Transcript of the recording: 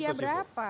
dari usia berapa